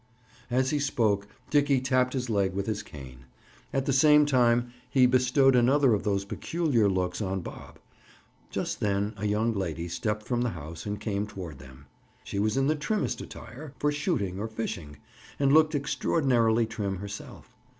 As he spoke Dickie tapped his leg with his cane; at the same time he bestowed another of those peculiar looks on Bob. Just then a young lady stepped from the house and came toward them. She was in the trimmest attire—for shooting or fishing—and looked extraordinarily trim, herself.